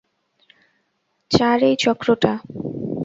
চার এই চক্র টা।